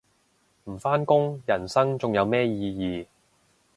唔返工人生仲有咩意義